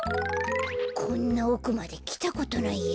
こんなおくまできたことないや。